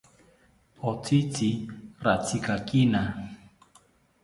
Otzitzi ratzikakina